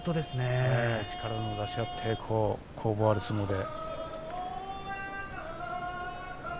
力を出し合って攻防ある相撲で。